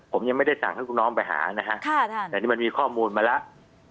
ผมยังไม่ได้สั่งให้ลูกน้องไปหานะฮะแต่นี่มันมีข้อมูลมาแล้ว